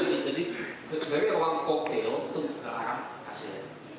jadi dari ruang kokteo ke arah kasir